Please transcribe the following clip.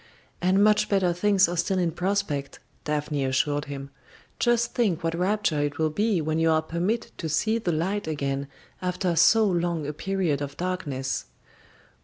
"And much better things are still in prospect," Daphne assured him. "Just think what rapture it will be when you are permitted to see the light again after so long a period of darkness!"